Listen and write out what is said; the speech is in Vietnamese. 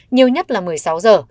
nhiều nhất là một mươi sáu giờ